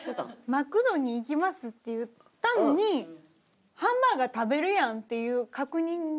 「マクドに行きます」って言ったのに「ハンバーガー食べるやん」っていう確認が。